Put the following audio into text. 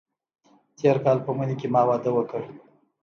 تېر کال په مني کې ما واده وکړ.